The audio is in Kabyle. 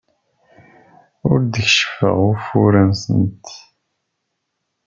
Ur d-keccfeɣ ufuren-nsent.